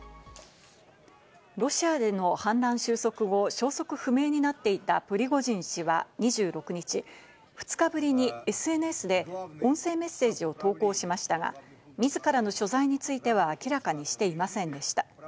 ロシアでの反乱収束後、消息不明になっていたプリゴジン氏は２６日、２日ぶりにＳＮＳで音声メッセージを投稿しましたが、自らの所在については明らかにしていませんでした。